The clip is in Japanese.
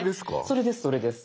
それですそれです。